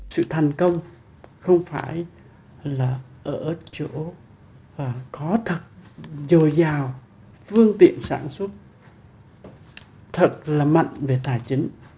sự thành công không phải là ở chỗ có thật dồi dào phương tiện sản xuất thật là mạnh về tài chính